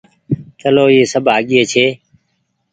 چلو اي سب آگيئي ڇي۔